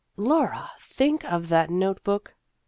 Laura, think of that note book